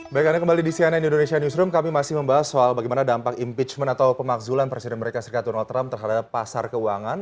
baik anda kembali di cnn indonesia newsroom kami masih membahas soal bagaimana dampak impeachment atau pemakzulan presiden amerika serikat donald trump terhadap pasar keuangan